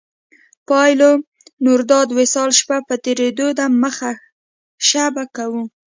پابلو نوروداد وصال شپه په تېرېدو ده مخه شه به کوو